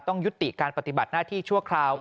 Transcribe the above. ต้องยุติการปฏิบัติหน้าที่ชั่วคราว